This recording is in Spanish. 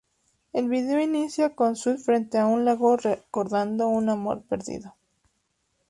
El vídeo inicia con Swift frente a un lago recordando un amor perdido.